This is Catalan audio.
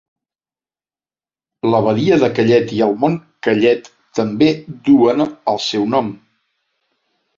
La badia de Kellet i el Mont Kellet també duen el seu nom.